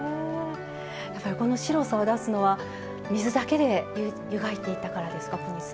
この白さを出すのは水だけで湯がいていたからですか。